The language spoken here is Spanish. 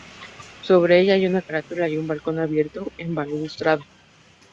Sobre ella hay una carátula y un balcón abierto con balaustrada.